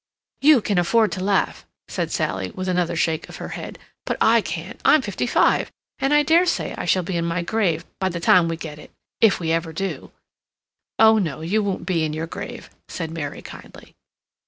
"You can afford to laugh," said Sally, with another shake of her head, "but I can't. I'm fifty five, and I dare say I shall be in my grave by the time we get it—if we ever do." "Oh, no, you won't be in your grave," said Mary, kindly.